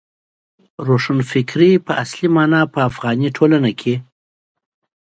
روښانفکرۍ په اصلي مانا په افغاني ټولنه کې.